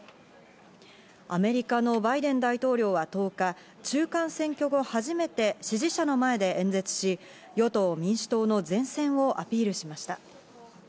アメリカのバイデン大統領は１０日、中間選挙後、初めて支持者の前で演説し、与党・民主党の善戦をアピールしました。